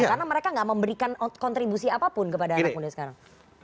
karena mereka gak memberikan kontribusi apapun kepada anak muda sekarang